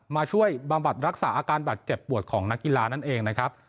ช่วยบำบัดรักษาอาการบาดเจ็บปวดของนักกีฬานั่นเองนะครับ